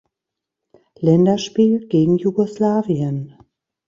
Länderspiel gegen Jugoslawien.